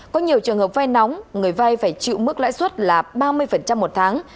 có nhiều trường hợp vai nóng người vai phải chịu mức lãi suất là ba mươi một tháng